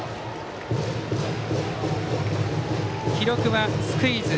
記録はスクイズ。